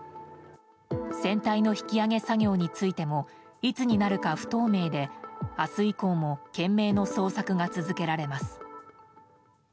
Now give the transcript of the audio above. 船体の引き揚げ作業についてもいつになるか不透明で明日以降も懸命の捜索が続けられます。